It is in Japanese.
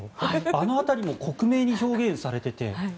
あの辺りも克明に表現されていて。